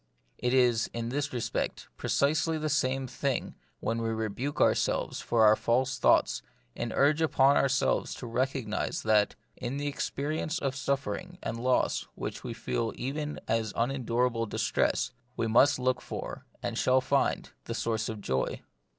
It is, in this respect, precisely the same thing when we rebuke ourselves for our false thoughts, and urge upon ourselves to recog nise that, in the experience of suffering and loss which we feel even as unendurable dis tress, we must look for, and shall find, the source of joy.